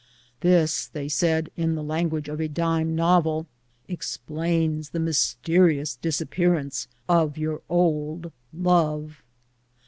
"This," they said, in the language of a dime novel, "explains the mysterious disappearance of your old love.